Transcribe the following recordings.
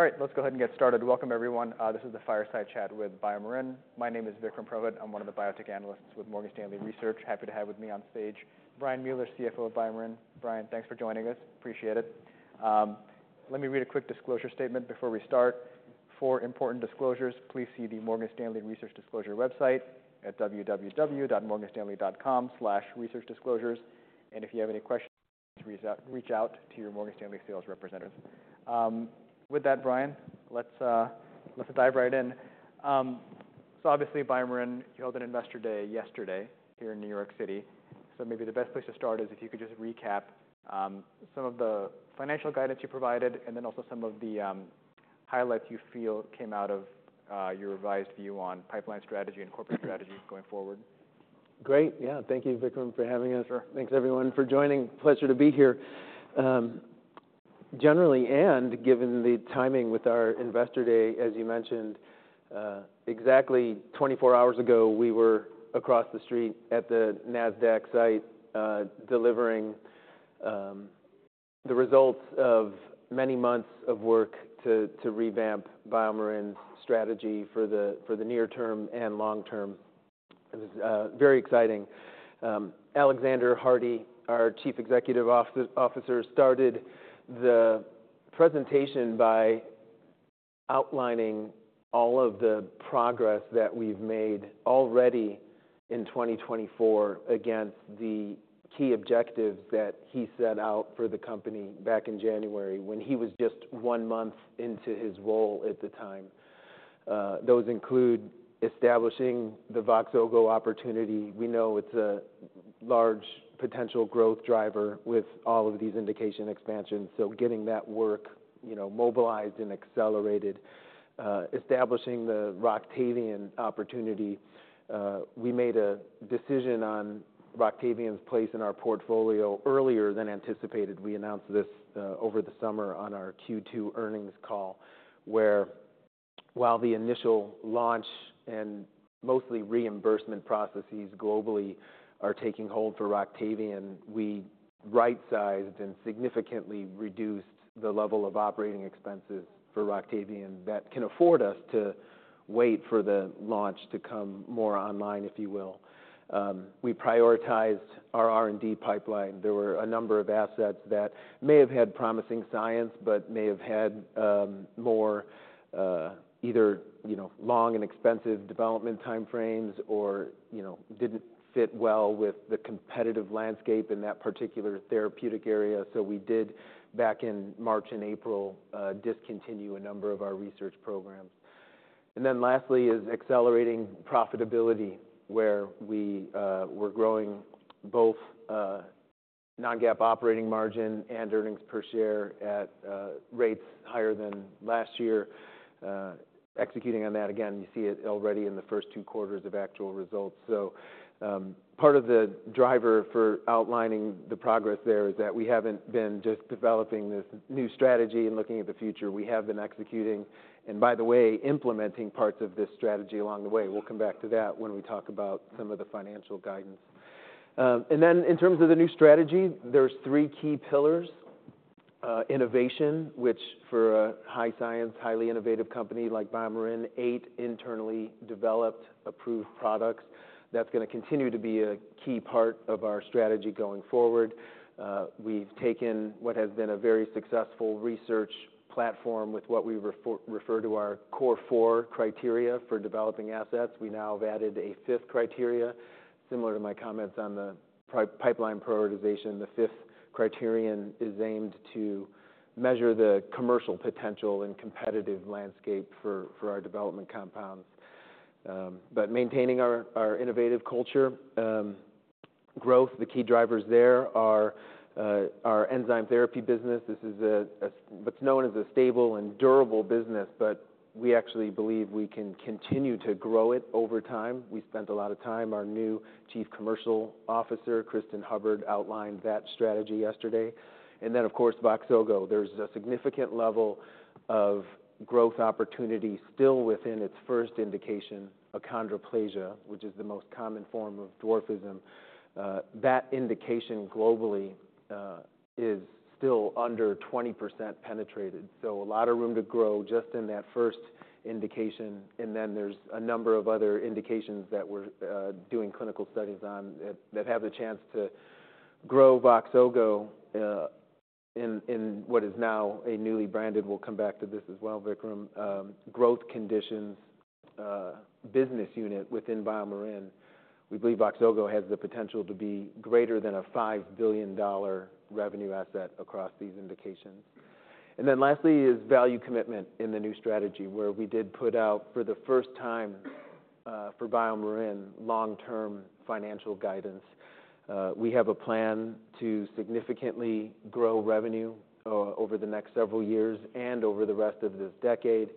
All right, let's go ahead and get started. Welcome, everyone, this is the Fireside Chat with BioMarin. My name is Vikram Prahlad. I'm one of the Biotech Analysts with Morgan Stanley Research. Happy to have with me on stage, Brian Mueller, CFO of BioMarin. Brian, thanks for joining us. Appreciate it. Let me read a quick disclosure statement before we start. For important disclosures, please see the Morgan Stanley Research Disclosure website at www.morganstanley.com/researchdisclosures. And if you have any questions, please reach out to your Morgan Stanley sales representative. With that, Brian, let's dive right in. So obviously, BioMarin held an Investor Day yesterday here in New York City. So maybe the best place to start is if you could just recap some of the financial guidance you provided, and then also some of the highlights you feel came out of your revised view on pipeline strategy and corporate strategy going forward. Great. Yeah. Thank you, Vikram, for having us. Sure. Thanks, everyone, for joining. Pleasure to be here. Generally, and given the timing with our Investor Day, as you mentioned, exactly 24 hours ago, we were across the street at the Nasdaq site, delivering the results of many months of work to revamp BioMarin's strategy for the near term and long term. It was very exciting. Alexander Hardy, our Chief Executive Officer, started the presentation by outlining all of the progress that we've made already in 2024 against the key objectives that he set out for the company back in January, when he was just one month into his role at the time. Those include establishing the Voxzogo opportunity. We know it's a large potential growth driver with all of these indication expansions, so getting that work, you know, mobilized and accelerated. Establishing the Roctavian opportunity. We made a decision on Roctavian's place in our portfolio earlier than anticipated. We announced this over the summer on our Q2 earnings call, where while the initial launch and mostly reimbursement processes globally are taking hold for Roctavian, we right-sized and significantly reduced the level of operating expenses for Roctavian that can afford us to wait for the launch to come more online, if you will. We prioritized our R&D pipeline. There were a number of assets that may have had promising science, but may have had more either, you know, long and expensive development time frames or, you know, didn't fit well with the competitive landscape in that particular therapeutic area. So we did, back in March and April, discontinue a number of our research programs. And then lastly, is accelerating profitability, where we were growing both non-GAAP operating margin and earnings per share at rates higher than last year. Executing on that again, you see it already in the first two quarters of actual results. So, part of the driver for outlining the progress there is that we haven't been just developing this new strategy and looking at the future. We have been executing, and by the way, implementing parts of this strategy along the way. We'll come back to that when we talk about some of the financial guidance. And then in terms of the new strategy, there's three key pillars. Innovation, which for a high science, highly innovative company like BioMarin, eight internally developed, approved products, that's gonna continue to be a key part of our strategy going forward. We've taken what has been a very successful research platform with what we refer to as our Core 4 criteria for developing assets. We now have added a fifth criteria, similar to my comments on the pri- pipeline prioritization. The fifth criterion is aimed to measure the commercial potential and competitive landscape for our development compounds. But maintaining our innovative culture, growth, the key drivers there are our enzyme therapy business. This is a what's known as a stable and durable business, but we actually believe we can continue to grow it over time. We spent a lot of time. Our new Chief Commercial Officer, Cristin Hubbard, outlined that strategy yesterday. Then, of course, Voxzogo. There's a significant level of growth opportunity still within its first indication, achondroplasia, which is the most common form of dwarfism. That indication globally is still under 20% penetrated. So a lot of room to grow just in that first indication, and then there's a number of other indications that we're doing clinical studies on, that have the chance to grow Voxzogo in what is now a newly branded... We'll come back to this as well, Vikram. Growth conditions business unit within BioMarin. We believe Voxzogo has the potential to be greater than a $5 billion revenue asset across these indications. And then lastly, is value commitment in the new strategy, where we did put out, for the first time, for BioMarin, long-term financial guidance. We have a plan to significantly grow revenue over the next several years and over the rest of this decade,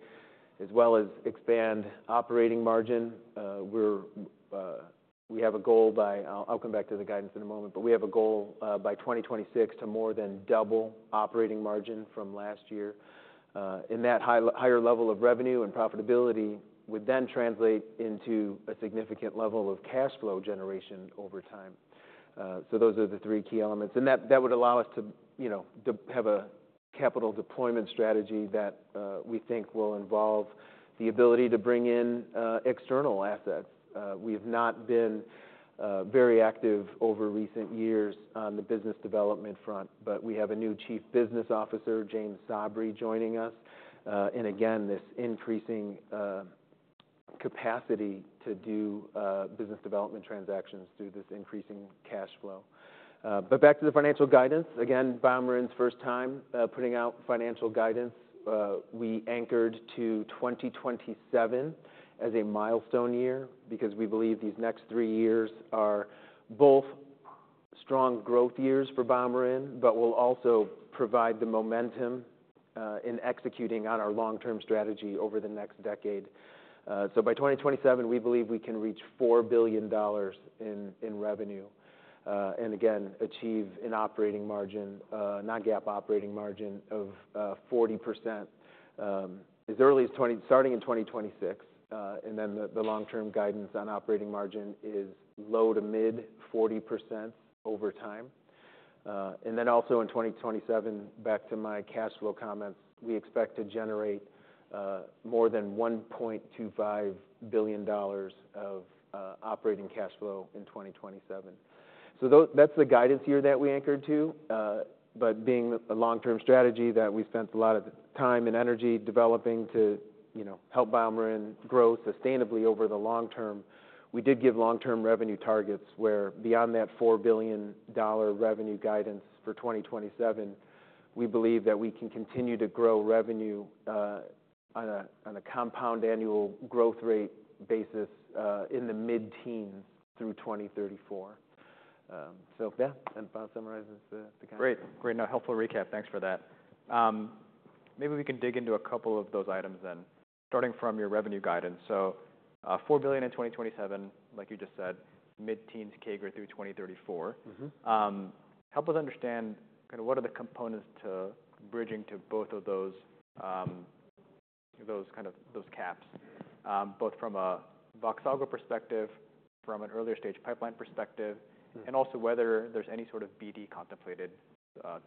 as well as expand operating margin. We're, we have a goal by. I'll come back to the guidance in a moment, but we have a goal, by twenty twenty-six, to more than double operating margin from last year. And that higher level of revenue and profitability would then translate into a significant level of cash flow generation over time. So those are the three key elements, and that would allow us to, you know, to have a capital deployment strategy that, we think will involve the ability to bring in, external assets. We have not been, very active over recent years on the business development front, but we have a new Chief Business Officer, James Sabry, joining us. And again, this increasing, capacity to do, business development transactions through this increasing cash flow. But back to the financial guidance. Again, BioMarin's first time putting out financial guidance. We anchored to 2027 as a milestone year because we believe these next three years are both strong growth years for BioMarin, but will also provide the momentum in executing on our long-term strategy over the next decade. So by 2027, we believe we can reach $4 billion in revenue, and again, achieve an operating margin, non-GAAP operating margin of 40%, as early as starting in 2026. And then the long-term guidance on operating margin is low to mid-40% over time. And then also in 2027, back to my cash flow comments, we expect to generate more than $1.25 billion of operating cash flow in 2027. So that's the guidance year that we anchored to. But being a long-term strategy that we spent a lot of time and energy developing to, you know, help BioMarin grow sustainably over the long term, we did give long-term revenue targets, where beyond that $4 billion revenue guidance for 2027, we believe that we can continue to grow revenue on a compound annual growth rate basis in the mid-teens through 2034. So yeah, that about summarizes the guidance. Great. Great, now helpful recap. Thanks for that. Maybe we can dig into a couple of those items then, starting from your revenue guidance. So, $4 billion in 2027, like you just said, mid-teens CAGR through 2034. Mm-hmm. Help us understand kinda what are the components to bridging to both of those... Those caps, both from a Voxzogo perspective, from an earlier stage pipeline perspective- Mm. -and also whether there's any sort of BD contemplated,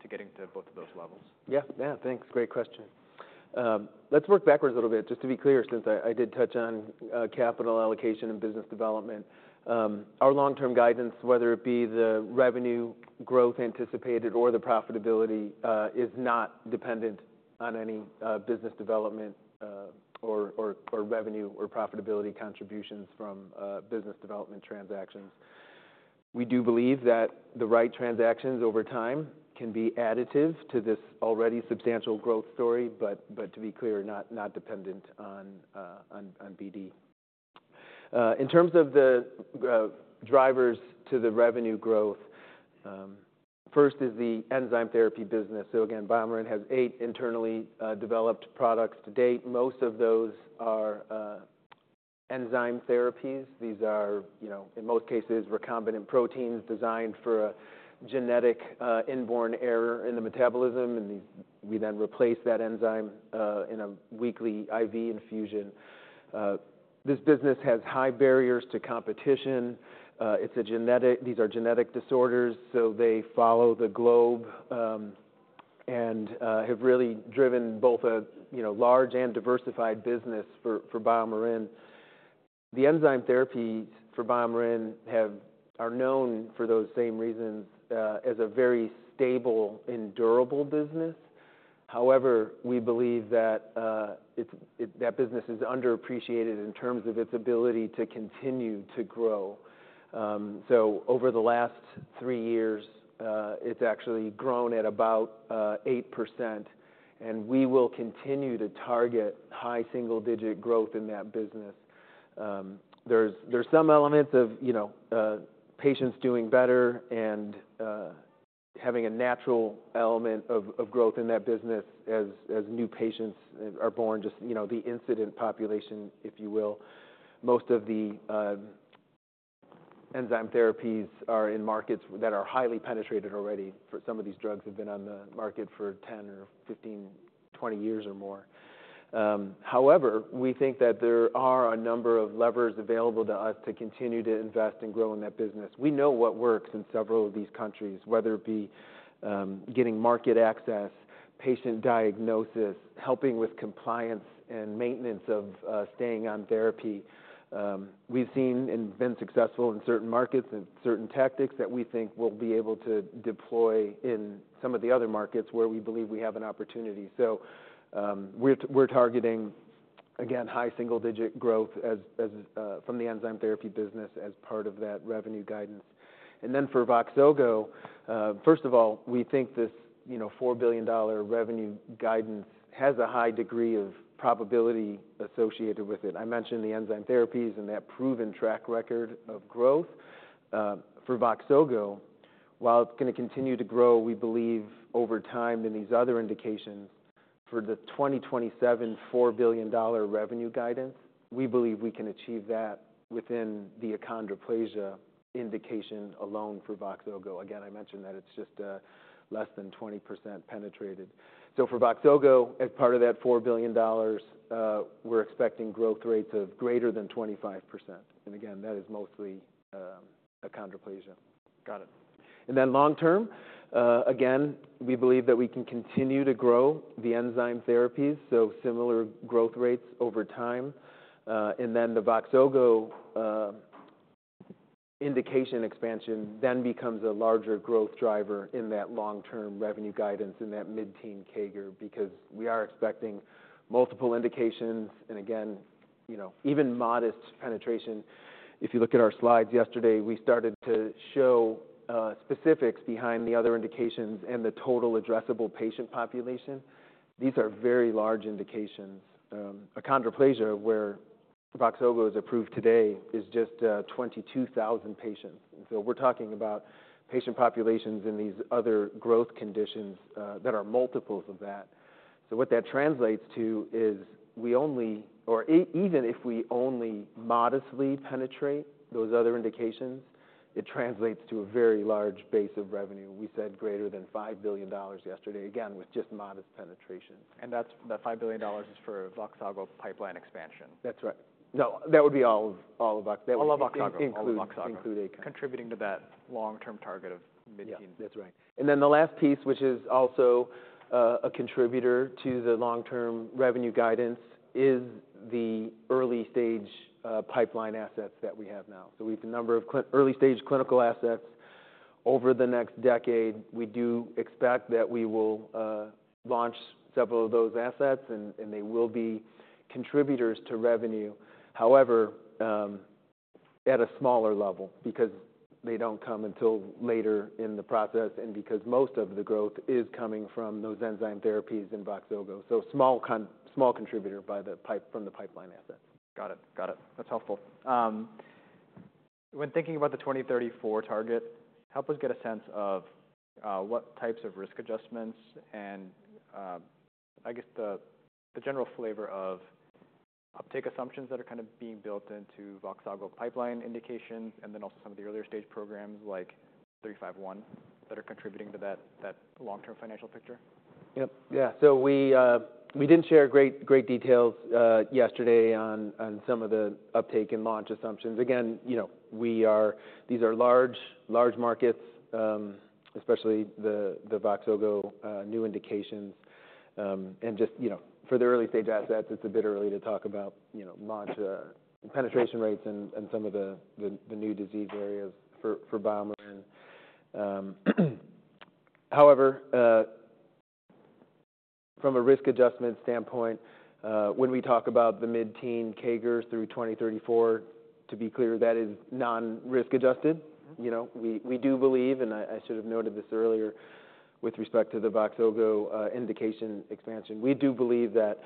to getting to both of those levels. Yeah. Yeah, thanks. Great question. Let's work backwards a little bit, just to be clear, since I did touch on capital allocation and business development. Our long-term guidance, whether it be the revenue growth anticipated or the profitability, is not dependent on any business development, or revenue, or profitability contributions from business development transactions. We do believe that the right transactions over time can be additive to this already substantial growth story, but to be clear, not dependent on BD. In terms of the drivers to the revenue growth, first is the enzyme therapy business. So again, BioMarin has eight internally developed products to date. Most of those are enzyme therapies. These are, you know, in most cases, recombinant proteins designed for a genetic inborn error in the metabolism, and we then replace that enzyme in a weekly IV infusion. This business has high barriers to competition. It's a genetic. These are genetic disorders, so they follow the globe and have really driven both a, you know, large and diversified business for BioMarin. The enzyme therapies for BioMarin are known for those same reasons as a very stable and durable business. However, we believe that that business is underappreciated in terms of its ability to continue to grow. So over the last three years, it's actually grown at about 8%, and we will continue to target high single-digit growth in that business. There's some elements of, you know, patients doing better and having a natural element of growth in that business as new patients are born, just, you know, the incidence population, if you will. Most of the enzyme therapies are in markets that are highly penetrated already, for some of these drugs have been on the market for 10 or 15, 20 years or more. However, we think that there are a number of levers available to us to continue to invest and grow in that business. We know what works in several of these countries, whether it be getting market access, patient diagnosis, helping with compliance and maintenance of staying on therapy. We've seen and been successful in certain markets and certain tactics that we think we'll be able to deploy in some of the other markets where we believe we have an opportunity. So, we're targeting, again, high single digit growth as from the enzyme therapy business as part of that revenue guidance. And then for Voxzogo, first of all, we think this, you know, $4 billion revenue guidance has a high degree of probability associated with it. I mentioned the enzyme therapies and that proven track record of growth. For Voxzogo, while it's gonna continue to grow, we believe over time in these other indications, for the 2027 $4 billion revenue guidance, we believe we can achieve that within the achondroplasia indication alone for Voxzogo. Again, I mentioned that it's just less than 20% penetrated. So for Voxzogo, as part of that $4 billion, we're expecting growth rates of greater than 25%. And again, that is mostly achondroplasia. Got it.... And then long term, again, we believe that we can continue to grow the enzyme therapies, so similar growth rates over time. And then the Voxzogo indication expansion then becomes a larger growth driver in that long-term revenue guidance, in that mid-teen CAGR, because we are expecting multiple indications. And again, you know, even modest penetration. If you look at our slides yesterday, we started to show specifics behind the other indications and the total addressable patient population. These are very large indications. Achondroplasia, where Voxzogo is approved today, is just twenty-two thousand patients. So we're talking about patient populations in these other growth conditions that are multiples of that. So what that translates to is, even if we only modestly penetrate those other indications, it translates to a very large base of revenue. We said greater than $5 billion yesterday, again, with just modest penetration. And that's $5 billion is for Voxzogo pipeline expansion? That's right. No, that would be all of Voxzogo. All of Voxzogo. Includes. Includes- Contributing to that long-term target of mid-teen. Yeah, that's right. And then the last piece, which is also a contributor to the long-term revenue guidance, is the early-stage pipeline assets that we have now. So we've a number of early-stage clinical assets over the next decade. We do expect that we will launch several of those assets, and they will be contributors to revenue. However, at a smaller level, because they don't come until later in the process, and because most of the growth is coming from those enzyme therapies in Voxzogo. So small contributor from the pipeline assets. Got it. Got it. That's helpful. When thinking about the twenty thirty-four target, help us get a sense of what types of risk adjustments and, I guess the general flavor of uptake assumptions that are kind of being built into Voxzogo pipeline indications, and then also some of the earlier stage programs, like 351, that are contributing to that long-term financial picture. Yep. Yeah. So we didn't share great details yesterday on some of the uptake and launch assumptions. Again, you know, these are large markets, especially the Voxzogo new indications. And just, you know, for the early-stage assets, it's a bit early to talk about, you know, launch penetration rates and some of the new disease areas for BioMarin. However, from a risk adjustment standpoint, when we talk about the mid-teen CAGRs through 2034, to be clear, that is non-risk adjusted. Mm-hmm. You know, we do believe, and I should have noted this earlier, with respect to the Voxzogo indication expansion, we do believe that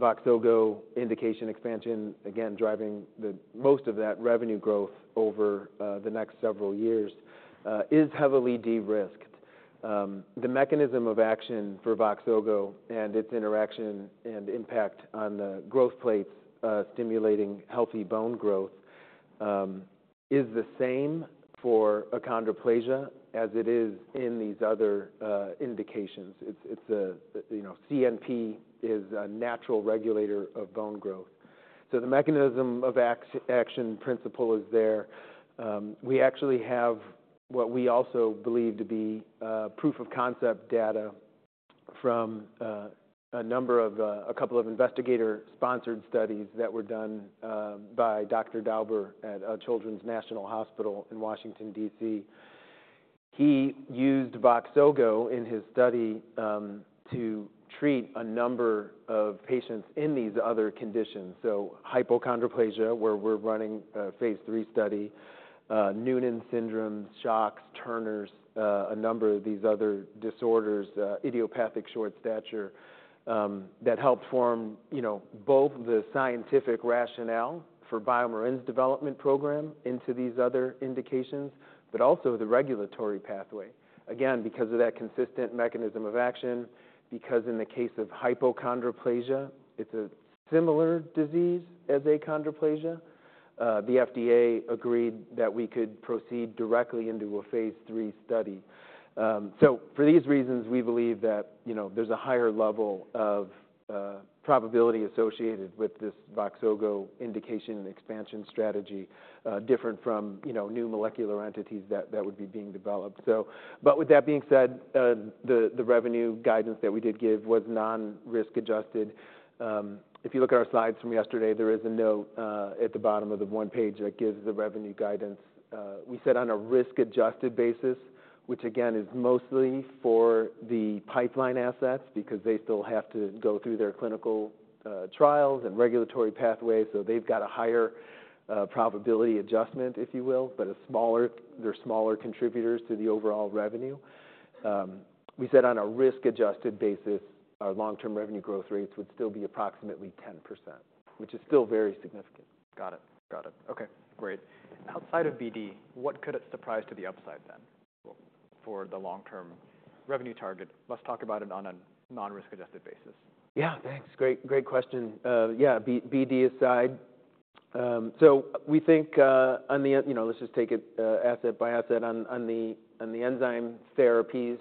Voxzogo indication expansion, again, driving the most of that revenue growth over the next several years, is heavily de-risked. The mechanism of action for Voxzogo and its interaction and impact on the growth plates, stimulating healthy bone growth, is the same for achondroplasia as it is in these other indications. It's a, you know, CNP is a natural regulator of bone growth. So the mechanism of action principle is there. We actually have what we also believe to be proof of concept data from a number of a couple of investigator-sponsored studies that were done by Dr. Dauber at Children's National Hospital in Washington, D.C. He used Voxzogo in his study, to treat a number of patients in these other conditions, so hypochondroplasia, where we're running a phase III study, Noonan syndrome, SHOX, Turner, a number of these other disorders, idiopathic short stature, that helped form, you know, both the scientific rationale for BioMarin's development program into these other indications, but also the regulatory pathway. Again, because of that consistent mechanism of action, because in the case of hypochondroplasia, it's a similar disease as achondroplasia, the FDA agreed that we could proceed directly into a phase III study, so for these reasons, we believe that, you know, there's a higher level of probability associated with this Voxzogo indication and expansion strategy, different from, you know, new molecular entities that would be being developed. But with that being said, the revenue guidance that we did give was non-risk adjusted. If you look at our slides from yesterday, there is a note at the bottom of the one page that gives the revenue guidance. We said on a risk-adjusted basis, which again is mostly for the pipeline assets, because they still have to go through their clinical trials and regulatory pathways, so they've got a higher probability adjustment, if you will, but a smaller- they're smaller contributors to the overall revenue. We said on a risk-adjusted basis, our long-term revenue growth rates would still be approximately 10%, which is still very significant. Got it. Got it. Okay, great. Outside of BD, what could it surprise to the upside then for the long-term revenue target? Let's talk about it on a non-risk-adjusted basis. Yeah, thanks. Great, great question. BD aside, so we think on the. You know, let's just take it asset by asset. On the enzyme therapies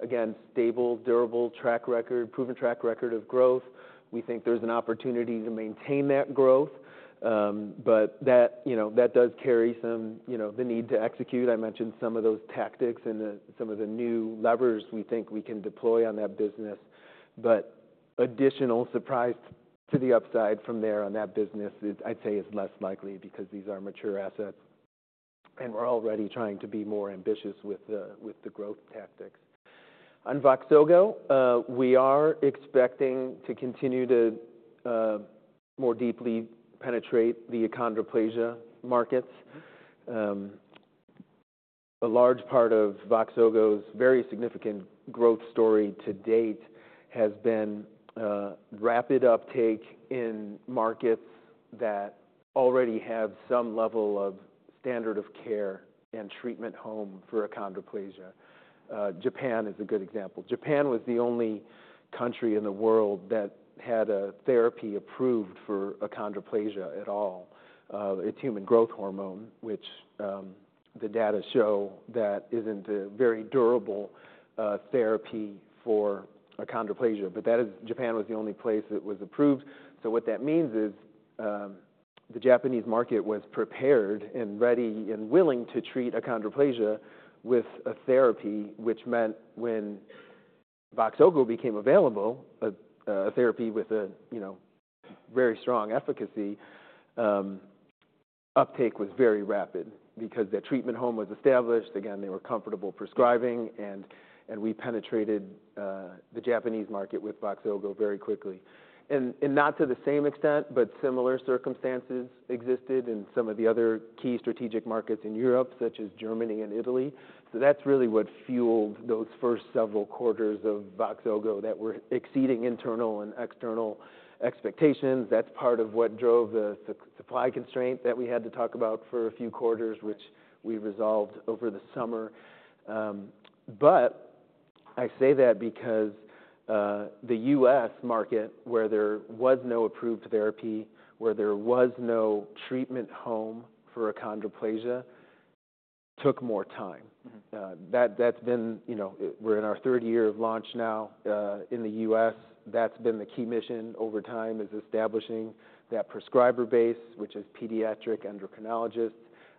again, stable, durable track record, proven track record of growth. We think there's an opportunity to maintain that growth, but that, you know, that does carry some, you know, the need to execute. I mentioned some of those tactics and some of the new levers we think we can deploy on that business. But additional surprise to the upside from there on that business is, I'd say, is less likely because these are mature assets, and we're already trying to be more ambitious with the growth tactics. On Voxzogo, we are expecting to continue to more deeply penetrate the achondroplasia markets. A large part of Voxzogo's very significant growth story to date has been rapid uptake in markets that already have some level of standard of care and treatment home for achondroplasia. Japan is a good example. Japan was the only country in the world that had a therapy approved for achondroplasia at all. It's human growth hormone, which the data show that isn't a very durable therapy for achondroplasia. But that is. Japan was the only place it was approved. So what that means is, the Japanese market was prepared and ready and willing to treat achondroplasia with a therapy, which meant when Voxzogo became available, a therapy with, you know, very strong efficacy, uptake was very rapid because their treatment home was established. Again, they were comfortable prescribing, and we penetrated the Japanese market with Voxzogo very quickly. And not to the same extent, but similar circumstances existed in some of the other key strategic markets in Europe, such as Germany and Italy. That's really what fueled those first several quarters of Voxzogo that were exceeding internal and external expectations. That's part of what drove the supply constraint that we had to talk about for a few quarters, which we resolved over the summer. But I say that because the US market, where there was no approved therapy, where there was no treatment home for achondroplasia, took more time. Mm-hmm. That, that's been, you know... We're in our third year of launch now, in the U.S. That's been the key mission over time, is establishing that prescriber base, which is pediatric endocrinologists.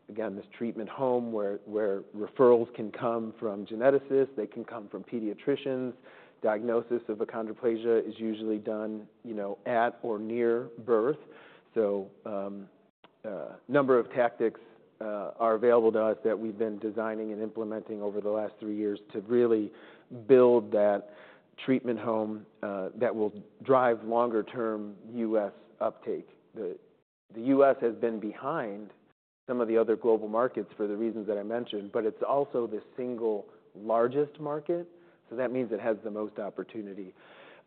Again, this treatment home where referrals can come from geneticists, they can come from pediatricians. Diagnosis of achondroplasia is usually done, you know, at or near birth. So, number of tactics are available to us that we've been designing and implementing over the last three years to really build that treatment home that will drive longer term U.S. uptake. The U.S. has been behind some of the other global markets for the reasons that I mentioned, but it's also the single largest market, so that means it has the most opportunity.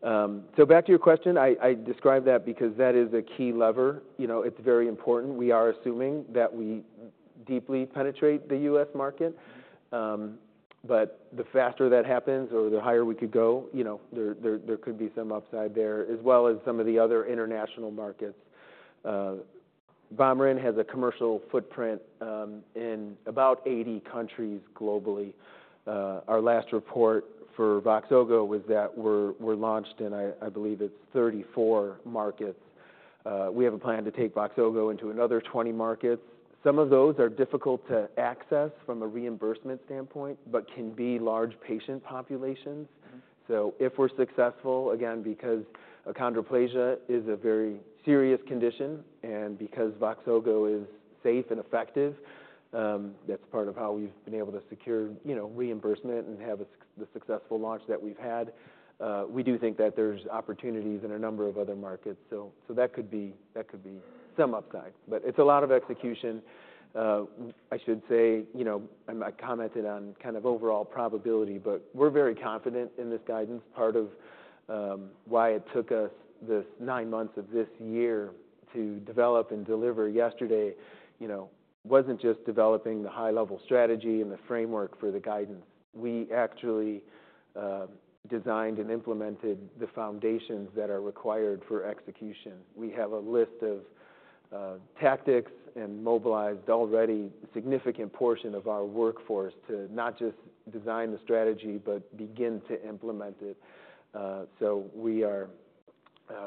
So back to your question, I described that because that is a key lever. You know, it's very important. We are assuming that we deeply penetrate the U.S. market. But the faster that happens or the higher we could go, you know, there could be some upside there, as well as some of the other international markets. BioMarin has a commercial footprint in about 80 countries globally. Our last report for Voxzogo was that we're launched in, I believe it's 34 markets. We have a plan to take Voxzogo into another 20 markets. Some of those are difficult to access from a reimbursement standpoint, but can be large patient populations. Mm-hmm. So if we're successful, again, because achondroplasia is a very serious condition, and because Voxzogo is safe and effective, that's part of how we've been able to secure, you know, reimbursement and have a successful launch that we've had. We do think that there's opportunities in a number of other markets, so that could be some upside. But it's a lot of execution. I should say, you know, I commented on kind of overall probability, but we're very confident in this guidance. Part of why it took us this nine months of this year to develop and deliver yesterday, you know, wasn't just developing the high-level strategy and the framework for the guidance. We actually designed and implemented the foundations that are required for execution. We have a list of tactics and mobilized already a significant portion of our workforce to not just design the strategy, but begin to implement it. So we are,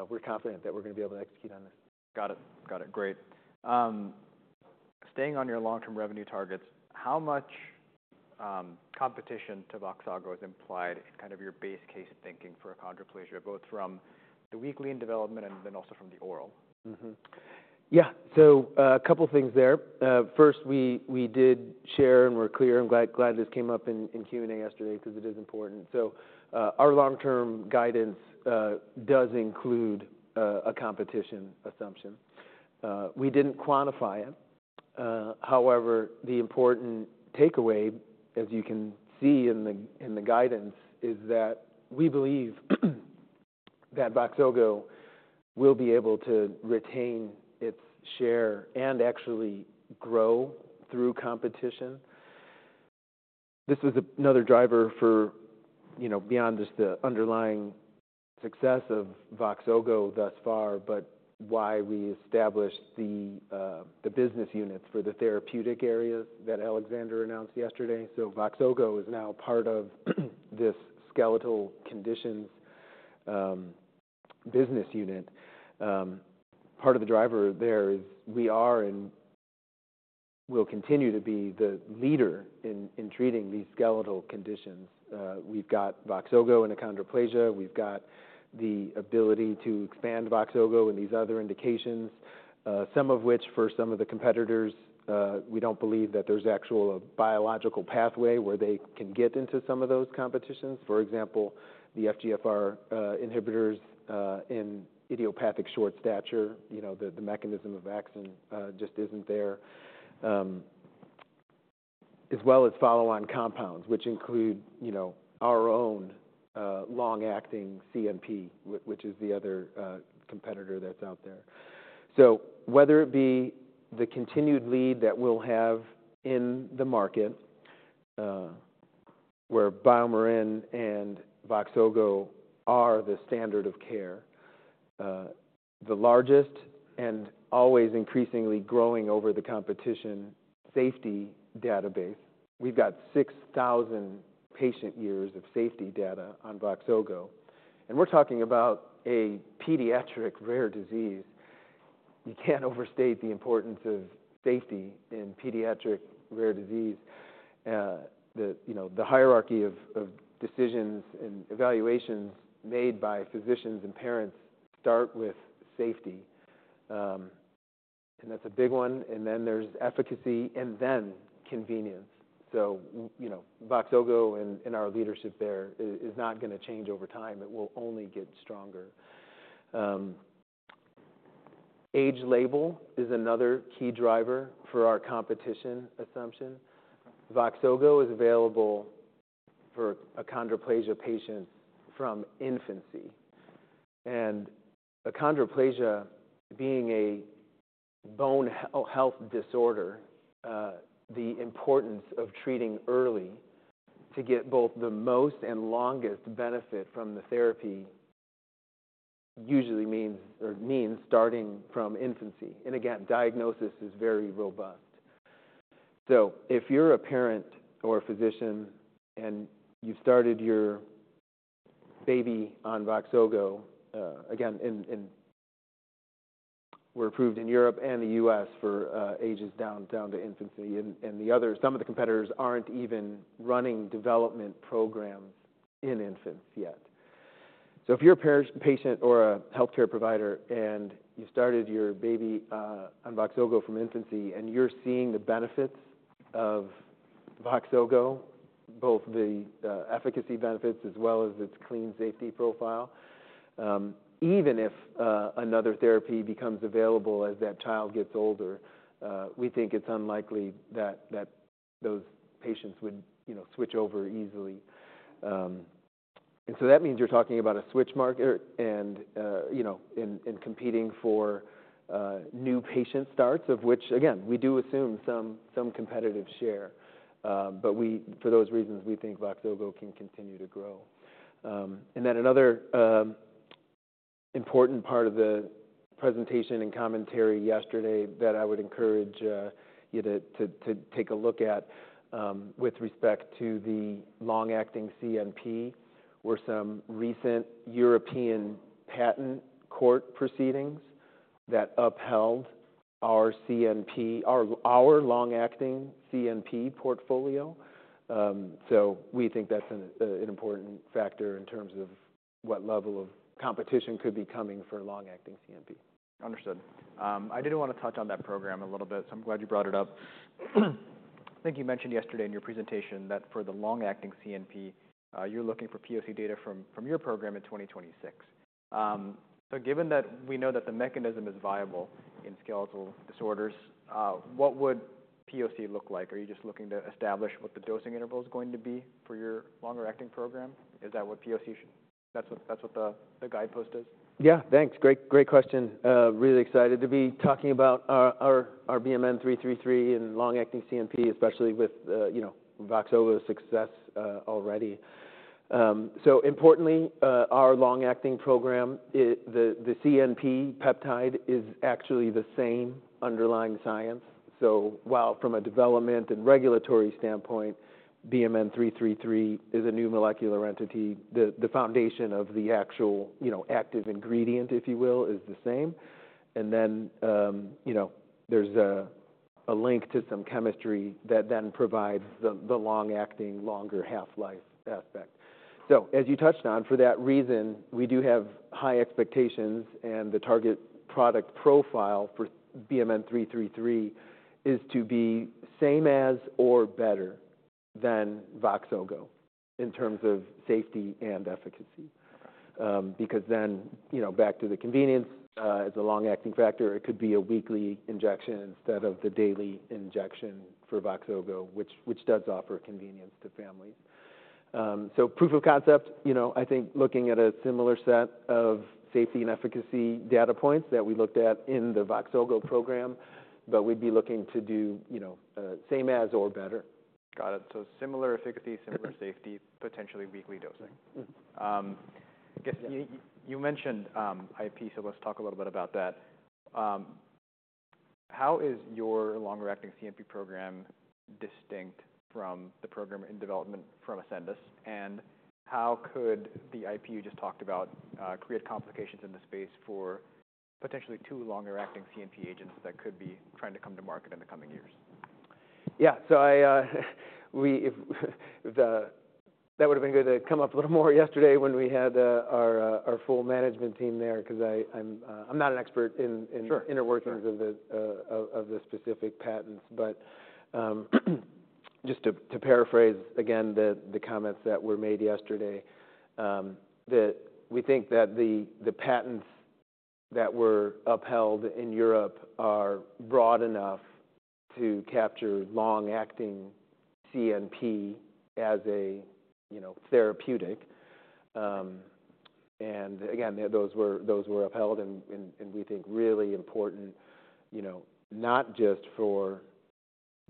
we're confident that we're gonna be able to execute on this. Got it. Got it. Great. Staying on your long-term revenue targets, how much competition to Voxzogo is implied in kind of your base case thinking for achondroplasia, both from the weekly in development and then also from the oral? Mm-hmm. Yeah. A couple things there. First, we did share, and we're clear. I'm glad this came up in Q&A yesterday because it is important. Our long-term guidance does include a competition assumption. We didn't quantify it. However, the important takeaway, as you can see in the guidance, is that we believe that Voxzogo will be able to retain its share and actually grow through competition. This was another driver for, you know, beyond just the underlying success of Voxzogo thus far, but why we established the business units for the therapeutic areas that Alexander announced yesterday. Voxzogo is now part of this skeletal conditions business unit. Part of the driver there is we are and will continue to be the leader in treating these skeletal conditions. We've got Voxzogo in achondroplasia. We've got the ability to expand Voxzogo in these other indications, some of which, for some of the competitors, we don't believe that there's actual biological pathway where they can get into some of those competitions. For example, the FGFR inhibitors in idiopathic short stature, you know, the mechanism of action just isn't there. As well as follow-on compounds, which include, you know, our own long-acting CNP, which is the other competitor that's out there. So whether it be the continued lead that we'll have in the market, where BioMarin and Voxzogo are the standard of care, the largest and always increasingly growing over the competition safety database. We've got six thousand patient years of safety data on Voxzogo, and we're talking about a pediatric rare disease. You can't overstate the importance of safety in pediatric rare disease. You know, the hierarchy of decisions and evaluations made by physicians and parents start with safety. That's a big one, and then there's efficacy, and then convenience, so you know, Voxzogo and our leadership there is not gonna change over time. It will only get stronger. Age label is another key driver for our competition assumption. Voxzogo is available for achondroplasia patients from infancy. Achondroplasia, being a bone health disorder, the importance of treating early to get both the most and longest benefit from the therapy usually means starting from infancy. Again, diagnosis is very robust, so if you're a parent or a physician and you've started your baby on Voxzogo, again, in... We're approved in Europe and the U.S. for ages down to infancy, and the others- some of the competitors aren't even running development programs in infants yet. So if you're a parent, patient, or a healthcare provider, and you started your baby on Voxzogo from infancy, and you're seeing the benefits of Voxzogo, both the efficacy benefits as well as its clean safety profile, even if another therapy becomes available as that child gets older, we think it's unlikely that those patients would, you know, switch over easily. And so that means you're talking about a switch marker and, you know, and competing for new patient starts, of which, again, we do assume some competitive share. But we for those reasons, we think Voxzogo can continue to grow. And then another important part of the presentation and commentary yesterday that I would encourage you to take a look at with respect to the long-acting CNP were some recent European patent court proceedings that upheld our long-acting CNP portfolio. So we think that's an important factor in terms of what level of competition could be coming for long-acting CNP. Understood. I did want to touch on that program a little bit, so I'm glad you brought it up. I think you mentioned yesterday in your presentation that for the long-acting CNP, you're looking for POC data from your program in 2026. So given that we know that the mechanism is viable in skeletal disorders, what would POC look like? Are you just looking to establish what the dosing interval is going to be for your longer-acting program? That's what the guidepost is? Yeah. Thanks. Great, great question. Really excited to be talking about our BMN 333 and long-acting CNP, especially with, you know, Voxzogo's success, already. So importantly, our long-acting program, the CNP peptide is actually the same underlying science. So while from a development and regulatory standpoint, BMN 333 is a new molecular entity, the foundation of the actual, you know, active ingredient, if you will, is the same. And then, you know, there's a link to some chemistry that then provides the long-acting, longer half-life aspect. So as you touched on, for that reason, we do have high expectations, and the target product profile for BMN 333 is to be same as or better than Voxzogo in terms of safety and efficacy. Because then, you know, back to the convenience, as a long-acting factor, it could be a weekly injection instead of the daily injection for Voxzogo, which does offer convenience to families. So proof of concept, you know, I think looking at a similar set of safety and efficacy data points that we looked at in the Voxzogo program, but we'd be looking to do, you know, same as or better. ... Got it. So similar efficacy, similar safety, potentially weekly dosing. Mm-hmm. I guess you mentioned IP, so let's talk a little bit about that. How is your longer-acting CNP program distinct from the program in development from Ascendis? And how could the IP you just talked about create complications in the space for potentially two longer-acting CNP agents that could be trying to come to market in the coming years? Yeah. So I, if the... That would've been good to come up a little more yesterday when we had our full management team there, 'cause I, I'm not an expert in, in- Sure Inner workings of the specific patents. But just to paraphrase again, the comments that were made yesterday, that we think that the patents that were upheld in Europe are broad enough to capture long-acting CNP as a, you know, therapeutic. And again, those were upheld and we think really important, you know, not just for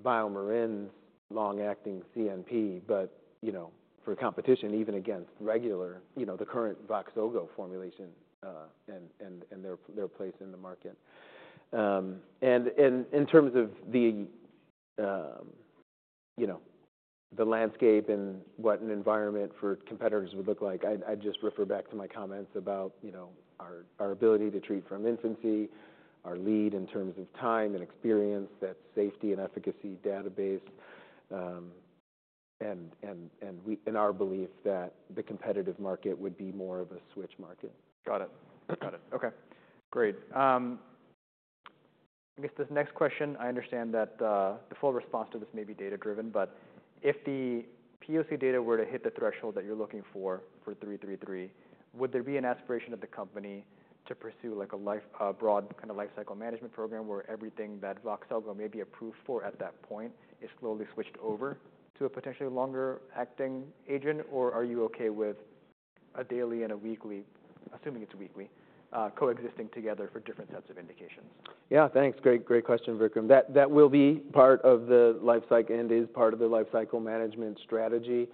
BioMarin's long-acting CNP, but, you know, for competition, even against regular, you know, the current Voxzogo formulation and their place in the market. And in terms of the, you know, the landscape and what an environment for competitors would look like, I'd just refer back to my comments about, you know, our ability to treat from infancy, our lead in terms of time and experience, that safety and efficacy database, and our belief that the competitive market would be more of a switch market. Got it. Got it. Okay, great. I guess this next question, I understand that, the full response to this may be data-driven, but if the POC data were to hit the threshold that you're looking for for three three three, would there be an aspiration of the company to pursue, like, a life- a broad kind of lifecycle management program, where everything that Voxzogo may be approved for at that point is slowly switched over to a potentially longer-acting agent? Or are you okay with a daily and a weekly, assuming it's weekly, coexisting together for different sets of indications? Yeah, thanks. Great, great question, Vikram. That, that will be part of the lifecycle and is part of the lifecycle management strategy.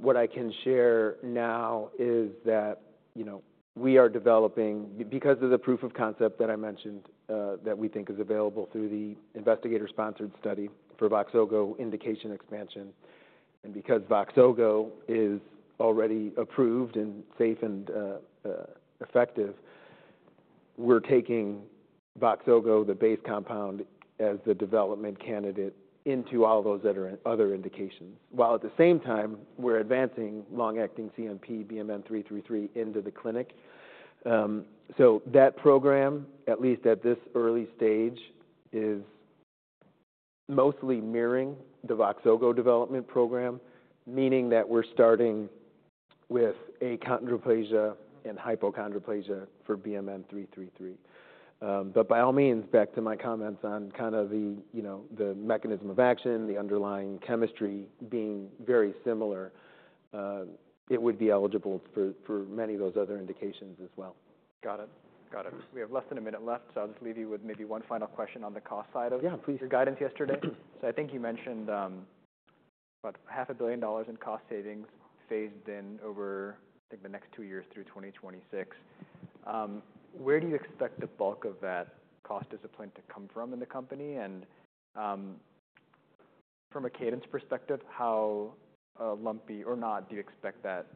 What I can share now is that, you know, we are developing... Because of the proof of concept that I mentioned, that we think is available through the investigator-sponsored study for Voxzogo indication expansion, and because Voxzogo is already approved and safe and, effective, we're taking Voxzogo, the base compound, as the development candidate into all those other, other indications. While at the same time, we're advancing long-acting CNP, BMN 333, into the clinic. So that program, at least at this early stage, is mostly mirroring the Voxzogo development program, meaning that we're starting with achondroplasia and hypochondroplasia for BMN 333. But by all means, back to my comments on kind of the, you know, the mechanism of action, the underlying chemistry being very similar, it would be eligible for many of those other indications as well. Got it. Got it. We have less than a minute left, so I'll just leave you with maybe one final question on the cost side of- Yeah, please... your guidance yesterday. So I think you mentioned about $500 million in cost savings phased in over, I think, the next two years through 2026. Where do you expect the bulk of that cost discipline to come from in the company? And from a cadence perspective, how lumpy or not do you expect that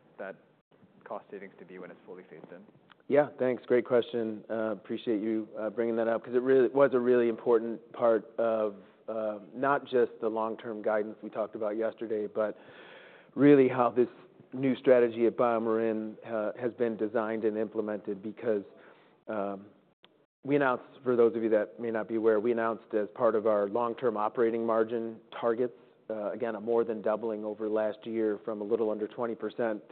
cost savings to be when it's fully phased in? Yeah, thanks. Great question. Appreciate you bringing that up, 'cause it was a really important part of not just the long-term guidance we talked about yesterday, but really how this new strategy at BioMarin has been designed and implemented. Because we announced, for those of you that may not be aware, we announced, as part of our long-term operating margin targets, again, a more than doubling over last year from a little under 20%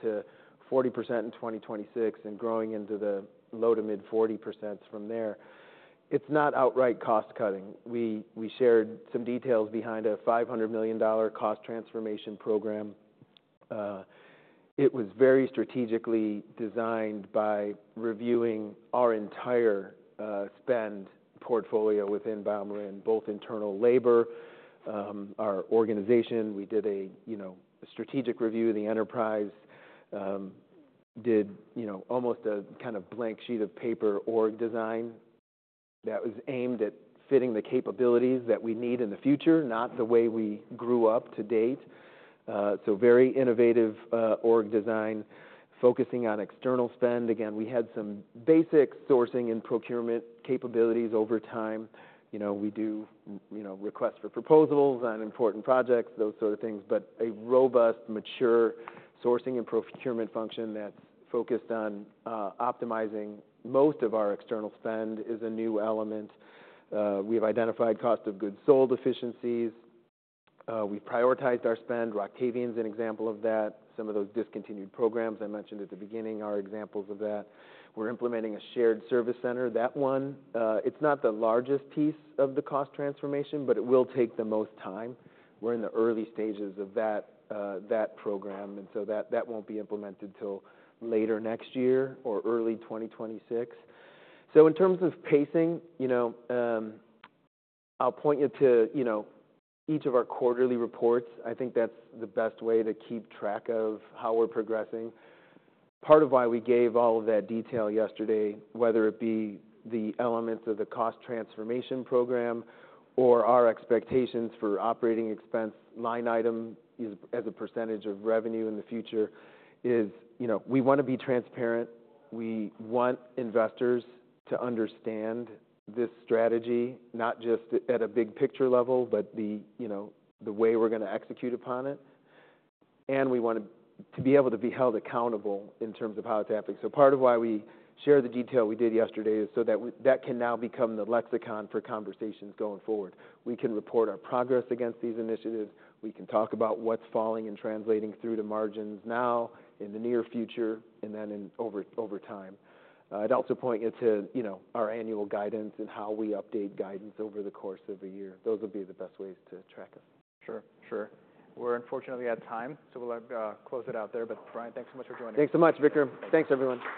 to 40% in 2026, and growing into the low- to mid-40% from there. It's not outright cost cutting. We shared some details behind a $500 million cost transformation program. It was very strategically designed by reviewing our entire spend portfolio within BioMarin, both internal labor, our organization. We did a, you know, strategic review of the enterprise. Did you know, almost a kind of blank sheet of paper org design that was aimed at fitting the capabilities that we need in the future, not the way we grew up to date. So very innovative, org design, focusing on external spend. Again, we had some basic sourcing and procurement capabilities over time. You know, we do, you know, requests for proposals on important projects, those sort of things. But a robust, mature sourcing and procurement function that's focused on, optimizing most of our external spend is a new element. We've identified cost of goods sold efficiencies. We've prioritized our spend. Roctavian's an example of that. Some of those discontinued programs I mentioned at the beginning are examples of that. We're implementing a shared service center. That one, it's not the largest piece of the cost transformation, but it will take the most time. We're in the early stages of that, that program, and so that, that won't be implemented till later next year or early 2026. In terms of pacing, you know, I'll point you to, you know, each of our quarterly reports. I think that's the best way to keep track of how we're progressing. Part of why we gave all of that detail yesterday, whether it be the elements of the cost transformation program or our expectations for operating expense line item as, as a percentage of revenue in the future, is, you know, we want to be transparent. We want investors to understand this strategy, not just at a big picture level, but the, you know, the way we're gonna execute upon it. We want to be able to be held accountable in terms of how it's happening. Part of why we shared the detail we did yesterday is so that that can now become the lexicon for conversations going forward. We can report our progress against these initiatives. We can talk about what's falling and translating through to margins now, in the near future, and then over time. I'd also point you to, you know, our annual guidance and how we update guidance over the course of a year. Those would be the best ways to track us. Sure, sure. We're unfortunately out of time, so we'll close it out there. But Brian, thanks so much for joining. Thanks so much, Vikram. Thanks, everyone.